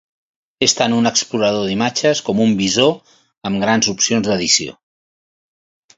És tant un explorador d'imatges com un visor amb grans opcions d'edició.